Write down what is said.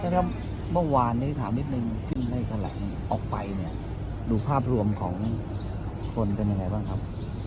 ถ้าเมื่อวานถามนิดนึงขึ้นให้ออกไปดูภาพรวมของคนเป็นอย่างไรบ้างครับ